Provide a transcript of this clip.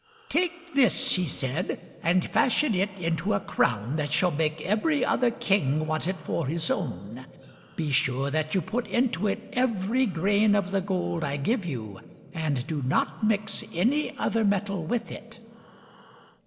" Take this," he said, " and fashion it into a crown that shall make every other king want it for his own. Be sure that you put into it every grain of the gold I give you, and do not mix any other metal with it."